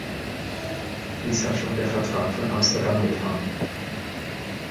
Dies hat schon der Vertrag von Amsterdam getan.